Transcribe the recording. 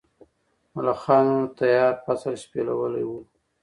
ملخانو تیار فصل شپېلولی و.